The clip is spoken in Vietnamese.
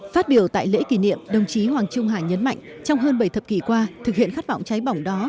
phát biểu tại lễ kỷ niệm đồng chí hoàng trung hải nhấn mạnh trong hơn bảy thập kỷ qua thực hiện khát vọng cháy bỏng đó